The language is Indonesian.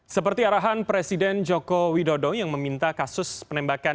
seperti arahan presiden joko widodo yang meminta kasus penembakan